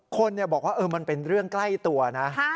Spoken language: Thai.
คนบอกว่ามันเป็นเรื่องใกล้ตัวนะ